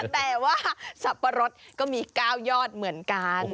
แต่ว่าสับปะรดก็มี๙ยอดเหมือนกัน